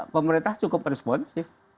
pemerintah cukup responsif